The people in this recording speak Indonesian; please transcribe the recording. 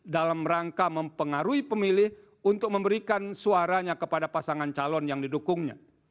dalam rangka mempengaruhi pemilih untuk memberikan suaranya kepada pasangan calon yang didukungnya